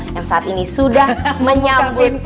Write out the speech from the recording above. yang saat ini sudah menyambut